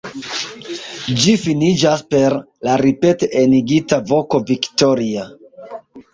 Ĝi finiĝas per la ripete enigita voko „Viktoria!“.